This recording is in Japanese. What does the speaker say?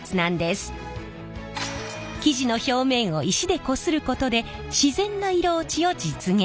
生地の表面を石でこすることで自然な色落ちを実現。